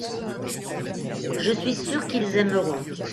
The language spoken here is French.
Je suis sûr qu’ils aimeront.